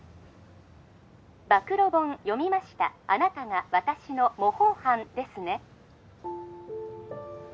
☎暴露本読みましたあなたが私の模倣犯ですね？